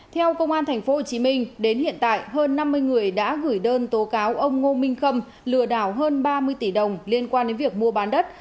theo công an tp hcm đến hiện tại hơn năm mươi người đã gửi đơn tố cáo ông ngô minh khâm lừa đảo hơn ba mươi tỷ đồng liên quan đến việc mua bán đất